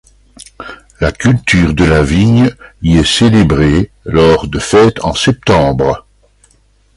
La culture de la vigne y est célébrée lors de fêtes en septembre.